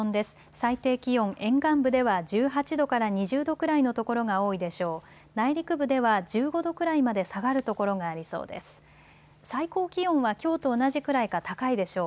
最低気温、沿岸部では１８度から２０度くらいの所が多いでしょう。